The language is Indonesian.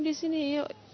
di sini yuk